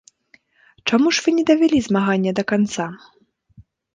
— Чаму ж вы не давялі змагання да канца?